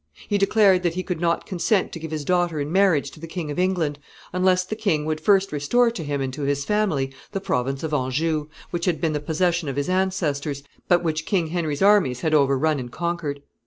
He declared that he could not consent to give his daughter in marriage to the King of England unless the king would first restore to him and to his family the province of Anjou, which had been the possession of his ancestors, but which King Henry's armies had overrun and conquered.